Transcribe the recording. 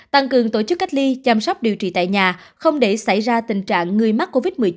tăng cường tổ chức cách ly chăm sóc điều trị tại nhà không để xảy ra tình trạng người mắc covid một mươi chín